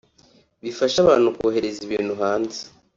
bifasha abantu bohereza ibintu hanze